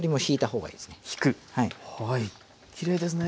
きれいですね。